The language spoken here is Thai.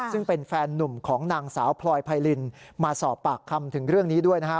ซึ่งเป็นแฟนนุ่มของนางสาวพลอยไพรินมาสอบปากคำถึงเรื่องนี้ด้วยนะฮะ